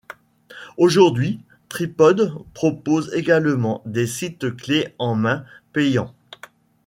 Aujourd'hui, Tripod propose également des sites clé en main payants.